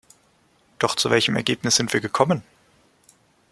Doch zu welchem Ergebnis sind wir gekommen?